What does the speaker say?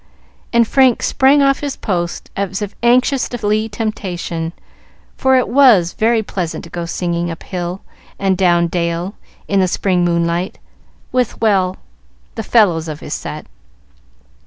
And Frank sprang off his post as if anxious to flee temptation, for it was very pleasant to go singing, up hill and down dale, in the spring moonlight, with well, the fellows of his set.